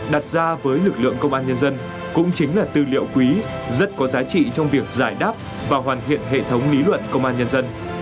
đặt ra với lực lượng công an nhân dân cũng chính là tư liệu quý rất có giá trị trong việc giải đáp và hoàn thiện hệ thống lý luận công an nhân dân